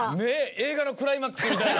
映画のクライマックスみたいな。